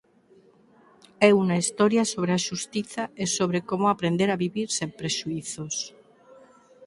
É unha historia sobre a xustiza e sobre como aprender a vivir sen prexuízos.